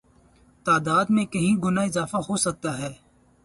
تعداد میں کئی گنا اضافہ ہوسکتا ہے